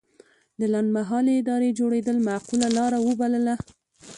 د لنډمهالې ادارې جوړېدل معقوله لاره وبلله.